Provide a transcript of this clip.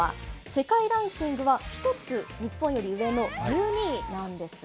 世界ランキングは１つ、日本より上の１２位なんです。